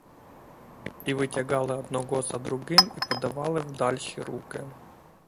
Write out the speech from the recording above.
І витягали одного за другим і подавали в дальші руки.